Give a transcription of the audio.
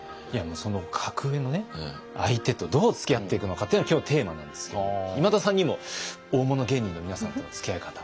その格上の相手とどうつきあっていくのかっていうのが今日のテーマなんですけれども今田さんにも大物芸人の皆さんとのつきあい方。